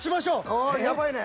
おおやばいね。